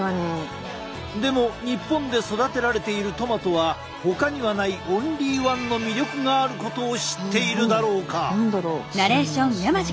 でも日本で育てられているトマトはほかにはないオンリーワンの魅力があることを知っているだろうか？